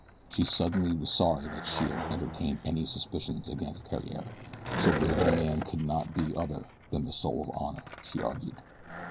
She suddenly was sorry that she had entertained any suspicions against Theriere so brave a man could not be other than the soul of honor, she argued.